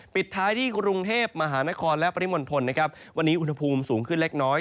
ปิดท้ายที่กรุงเทพมหานครและปริมณฑลนะครับวันนี้อุณหภูมิสูงขึ้นเล็กน้อย